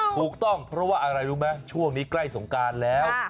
ถูกต้องเพราะว่าอะไรรู้ไหมช่วงนี้ใกล้สงการแล้ว